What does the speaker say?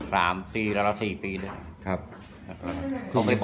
๓๔แล้อนแล้ว๔ปีด้วย